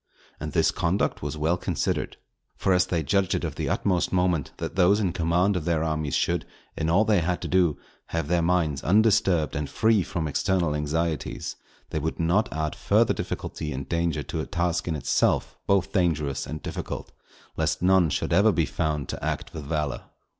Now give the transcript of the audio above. And this conduct was well considered. For as they judged it of the utmost moment, that those in command of their armies should, in all they had to do, have their minds undisturbed and free from external anxieties, they would not add further difficulty and danger to a task in itself both dangerous and difficult, lest none should ever be found to act with valour.